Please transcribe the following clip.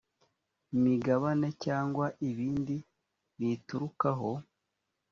migabane cyangwa ibindi biyiturukaho